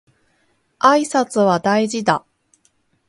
挨拶は大事だ